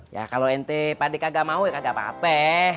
ya kalo ente pade kagak mau ya kagak apa apa